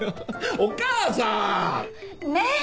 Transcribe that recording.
お母さん！ねぇ！